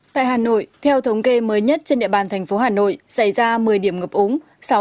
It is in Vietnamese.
tại hà nội theo thống kê mới nhất trên địa bàn thành phố hà nội xảy ra một mươi điểm ngập úng